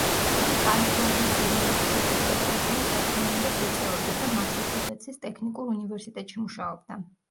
იგი კალიფორნიის უნივერსიტეტშიც პედაგოგიურ საქმიანობას ეწეოდა, და მასაჩუსეტსის ტექნიკურ უნივერსიტეტში მუშაობდა.